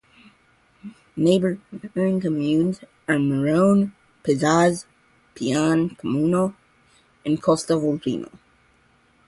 Neighbouring communes are Marone, Pezzaze, Pian Camuno and Costa Volpino.